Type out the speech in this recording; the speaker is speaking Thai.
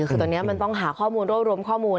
คือตอนนี้มันต้องหาข้อมูลรวบรวมข้อมูล